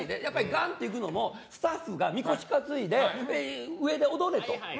ガン！と行くのもスタッフが、みこし担いで上で踊れと。